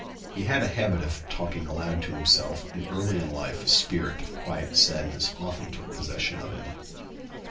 He had a habit of talking aloud to himself, and early in life a spirit of quiet sadness often took possession of him.